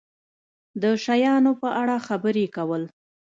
د شیانو په اړه خبرې کول